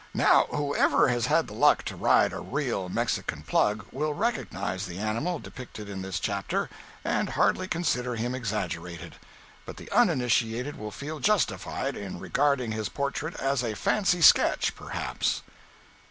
Now whoever has had the luck to ride a real Mexican plug will recognize the animal depicted in this chapter, and hardly consider him exaggerated—but the uninitiated will feel justified in regarding his portrait as a fancy sketch, perhaps.